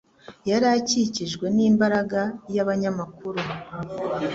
Yari akikijwe n'imbaga y'abanyamakuru.